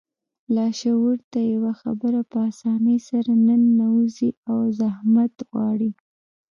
لاشعور ته يوه خبره په آسانۍ سره نه ننوځي او زحمت غواړي.